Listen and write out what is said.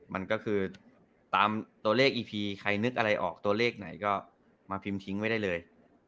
มันก็คือตามตัวเลขอีพีใครนึกอะไรออกตัวเลขไหนก็มาพิมพ์ทิ้งไว้ได้เลย